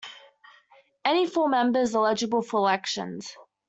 Any full member is eligible for elections.